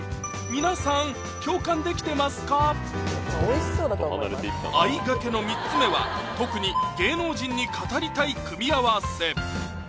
皆さんあいがけの３つ目は特に芸能人に語りたい組み合わせ